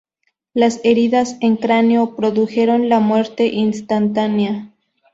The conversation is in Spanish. Las heridas en cráneo produjeron la muerte instantánea".